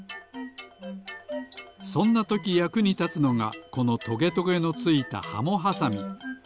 そんなときやくにたつのがこのトゲトゲのついたハモはさみ。